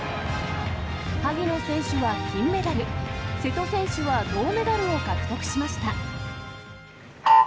萩野選手が金メダル、瀬戸選手は銅メダルを獲得しました。